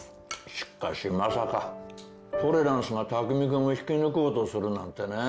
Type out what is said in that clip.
しかしまさかトレランスが匠君を引き抜こうとするなんてね。